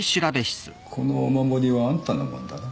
このお守りはあんたのもんだな？